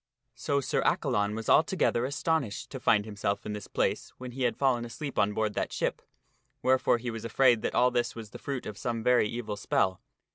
So Sir Accalon was altogether astonished to find himself in this place when he had fallen asleep on board that ship, wherefore he was afraid that all this was the fruit of some very evil spell.